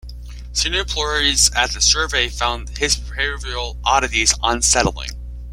Senior employees at the Survey found his behavioral oddities unsettling.